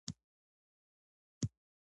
تربیه او ټریننګ هم د اهدافو یوه برخه ده.